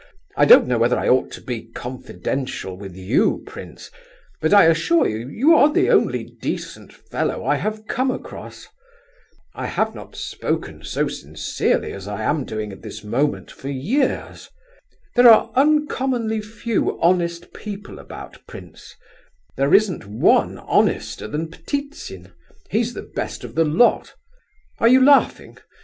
I don't know whether I ought to be confidential with you, prince; but, I assure you, you are the only decent fellow I have come across. I have not spoken so sincerely as I am doing at this moment for years. There are uncommonly few honest people about, prince; there isn't one honester than Ptitsin, he's the best of the lot. Are you laughing?